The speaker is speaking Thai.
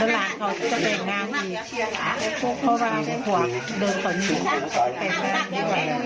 แล้วหลานเขาจะเป็นงานอีกพ่อบ้านหัวเดินสนอยู่